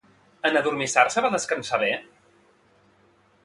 En adormissar-se va descansar bé?